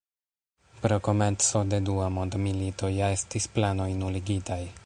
Pro komenco de dua mondmilito ja estis planoj nuligitaj.